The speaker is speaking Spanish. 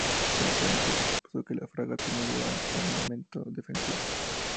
Inicialmente se propuso que las fragatas no llevaran armamento defensivo.